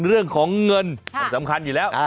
เรื่องของเงินมันสำคัญอยู่แล้ว